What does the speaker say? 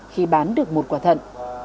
khi bán được một quả thận